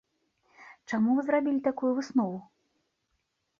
Чаму вы зрабілі такую выснову?